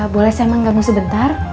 boleh saya mengganggu sebentar